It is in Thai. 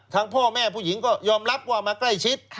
พ่อแม่ผู้หญิงก็ยอมรับว่ามาใกล้ชิด